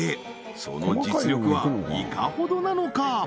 その実力はいかほどなのか？